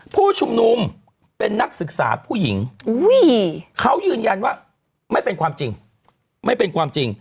ผู้ชุมนุมเป็นนักศึกษาผู้หญิงเขายืนยันว่าไม่เป็นความจริง